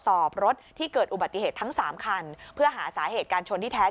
สอบรถที่เกิดอุบัติเหตุทั้งสามคันเพื่อหาสาเหตุการชนที่แท้